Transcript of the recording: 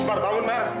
mar bangun mar